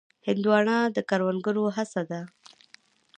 هندوانه د کروندګرو هڅه ده.